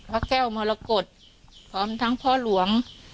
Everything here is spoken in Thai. พระแก้วมรกฏพร้อมทั้งพ่อหลวง